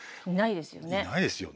いないですよね。